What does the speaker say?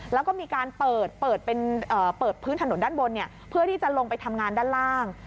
แล้วก็มีการเปิดพื้นถนนด้านบนเพื่อที่จะลงไปทำงานด้านล่าง